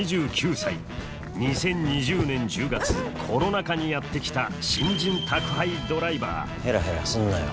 ２０２０年１０月コロナ禍にやって来た新人宅配ドライバーヘラヘラすんなよ。